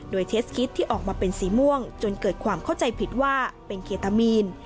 โดยเทสคิดที่ออกมาเป็นสีม่วงจนเกิดความเข้าใจผิดว่าเป็นเคตามีน